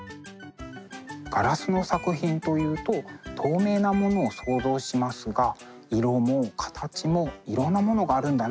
ガラスの作品というと透明なものを想像しますが色も形もいろんなものがあるんだなということが分かりました。